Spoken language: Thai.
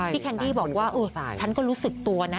แคนดี้บอกว่าฉันก็รู้สึกตัวนะ